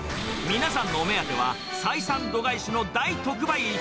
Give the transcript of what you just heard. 皆さんのお目当ては、採算度外視の大特売市。